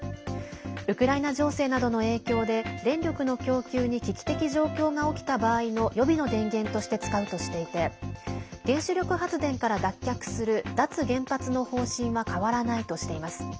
ウクライナ情勢などの影響で電力の供給に危機的状況が起きた場合の予備の電源として使うとしていて原子力発電から脱却する脱原発の方針は変わらないとしています。